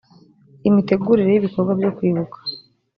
imitegurire y ibikorwa byo kwibuka